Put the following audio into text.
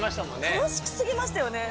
楽しすぎましたよね。